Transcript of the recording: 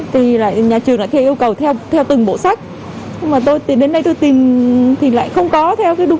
tôi tìm một sách kết nối tri thức với cuộc sống